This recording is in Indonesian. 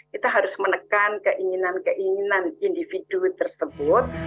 kita harus menekan keinginan keinginan individu tersebut